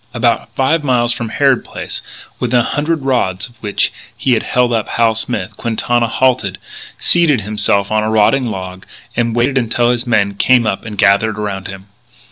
About five miles from Harrod Place, within a hundred rods of which he had held up Hal Smith, Quintana halted, seated himself on a rotting log, and waited until his men came up and gathered around him.